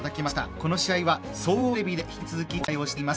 この試合は総合テレビで引き続きお伝えをしています。